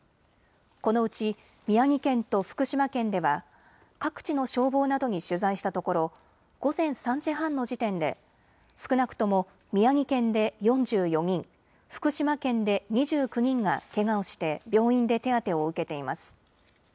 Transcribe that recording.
このうち宮城県と福島県では各地の消防などに取材したところ午前３時半の時点で少なくとも宮城県で４４人、福島県で２９人がけがをして病院で手当てを受けています。